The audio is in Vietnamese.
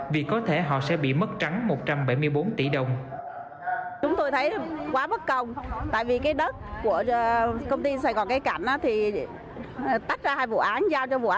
vì có thể họ sẽ bị mất trắng một trăm bảy mươi bốn tỷ đồng